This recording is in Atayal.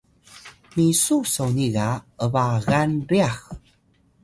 misuw soni ga ’bagan ryax